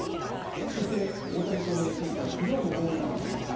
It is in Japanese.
そして大谷翔平選手は昨日もホームランを打ちました。